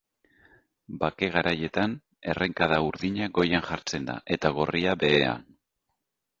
Bake garaietan errenkada urdina goian jartzen da eta gorria behean.